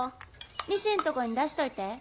ミシンとこに出しといて。